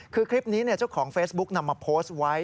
คือคลิปนี้เจ้าของเฟซบุ๊กนำมาโพสต์ไว้